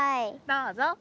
どうぞ。